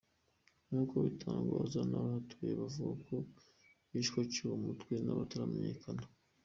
Nkuko bitangazwa n’abahatuye bavuga ko wishwe aciwe umutwe n’abataramenyekana.